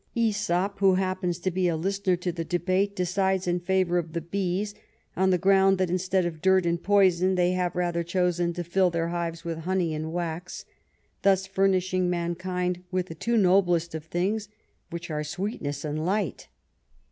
^sop, who hap pens to be a listener to the debate, decides in favor of the bees, on the ground that, instead of dirt and poison, they have rather chosen to fill their hives with honey and wax—" thus furnishing mankind with the two noblest of things, which are sweetness and light."